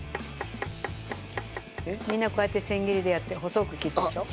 みんなこうやって千切りでやって細く切るでしょ。